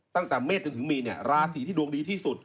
ตั้งแต่เมฆจนถึงมีราศิที่ดวงดีที่สุด